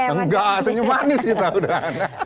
enggak senyum manis kita udah